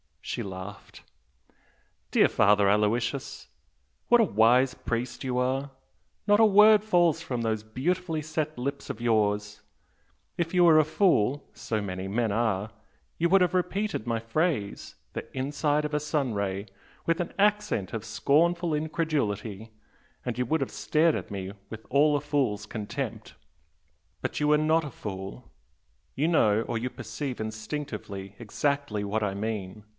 She laughed. "Dear Father Aloysius, what a wise priest you are! Not a word falls from those beautifully set lips of yours! If you were a fool (so many men are!) you would have repeated my phrase, 'the inside of a sun ray,' with an accent of scornful incredulity, and you would have stared at me with all a fool's contempt! But you are not a fool, you know or you perceive instinctively exactly what I mean.